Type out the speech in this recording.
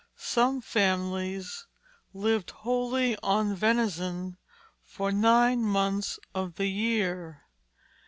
Some families lived wholly on venison for nine months of the year.